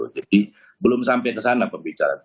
jadi belum sampai ke sana pembicaraan